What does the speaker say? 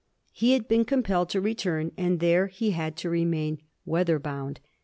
He had been compelled to return, and there he had to re main weather bound.